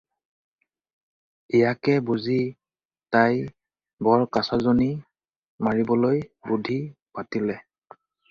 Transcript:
ইয়াকে বুজি তাই বৰকাছজনী মাৰিবলৈ বুধি পাতিলে।